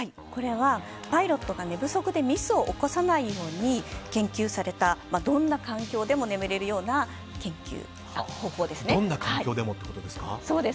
これはパイロットが寝不足でミスを起こさないように研究されたどんな環境でも眠れるようなどんな環境でもですか。